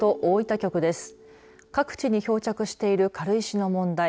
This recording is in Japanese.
各地に漂着している軽石の問題。